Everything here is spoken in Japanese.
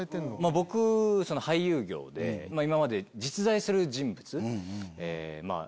僕俳優業で今まで実在する人物。